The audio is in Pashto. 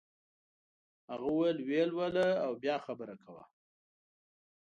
هغه وویل ویې لوله او بیا خبره کوه.